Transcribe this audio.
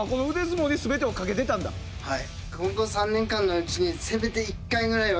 はい。